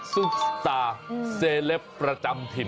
ซุปตาเซเลฟรจำทิน